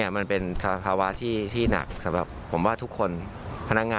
มันเป็นภาวะที่หนักสำหรับผมว่าทุกคน